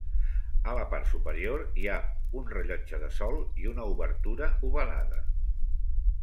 A la part superior hi ha un rellotge de sol i una obertura ovalada.